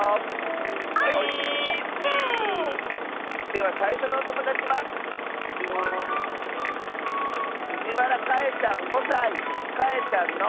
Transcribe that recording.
ではさいしょのおともだちはかえちゃんの。